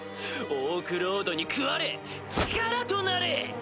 オークロードに食われ力となれ！